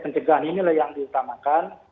pencegahan inilah yang diutamakan